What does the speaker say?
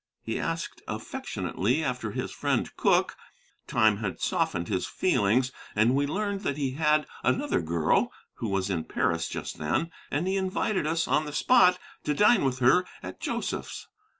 He asked affectionately after his friend Cooke. Time had softened his feelings, and we learned that he had another girl, who was in Paris just then, and invited us on the spot to dine with her at "Joseph's."